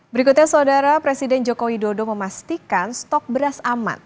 berikutnya saudara presiden joko widodo memastikan stok beras aman